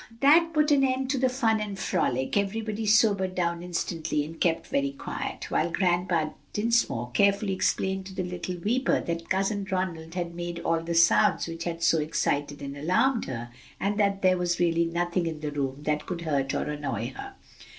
That put an end to the fun and frolic, everybody sobered down instantly and kept very quiet, while Grandpa Dinsmore carefully explained to the little weeper that Cousin Ronald had made all the sounds which had so excited and alarmed her, and that there was really nothing in the room that could hurt or annoy her.